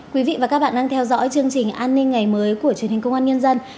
quý vị và các bạn đang theo dõi chương trình an ninh ngày mới của truyền hình công an nhân dân